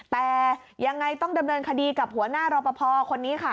แต่ยังไงต้องดำเนินคดีกับหัวหน้ารอปภคนนี้ค่ะ